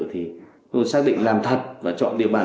thì tôi xác định làm thật và chọn địa bàn